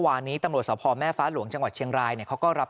วันนี้ตำรวจสพแม่ฟ้าหลวงจังหวัดเชียงรายเนี่ยเขาก็รับ